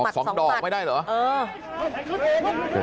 สองดอกไม่ได้เหรอประมาทสองปัดเออ